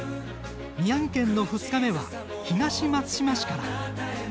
宮城県の２日目は東松島市から。